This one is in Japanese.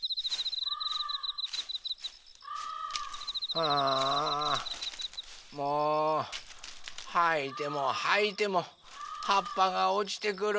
ああもうはいてもはいてもはっぱがおちてくる。